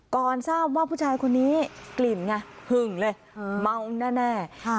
ก่อนซ่อมว่าผู้ชายคนนี้กลิ่นง่ะหึงเลยเมาแล้วน่ะเนี่ย